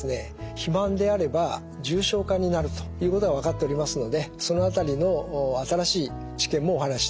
肥満であれば重症化になるということが分かっておりますのでその辺りの新しい知見もお話ししたいと思っております。